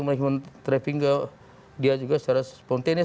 melalui trafing ke dia juga secara spontanis